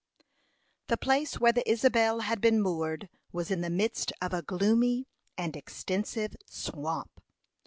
The place where the Isabel had been moored was in the midst of a gloomy and extensive swamp.